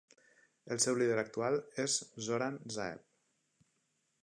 El seu líder actual és Zoran Zaev.